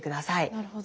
なるほど。